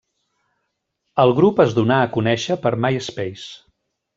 El grup es donà a conèixer per MySpace.